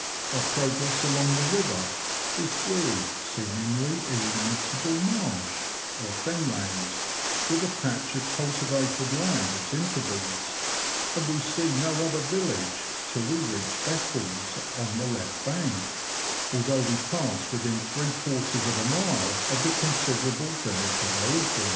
Our progress along the river is through seemingly illimitable marsh or fen land, with a patch of culti vated land at intervals, and we see no other village till we reach Beccles, on the left bank, although we pass within three quarters of a mile of the con siderable village of Aldeby.